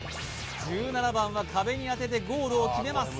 １７番は壁に当ててゴールを決めます